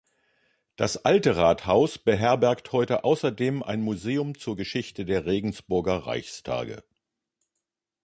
Das Alte Rathaus beherbergt heute außerdem ein Museum zur Geschichte der Regensburger Reichstage.